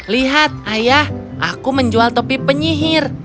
lihat ayah aku menjual topi penyihir